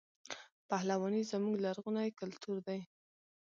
پهلواني زموږ لرغونی کلتور دی.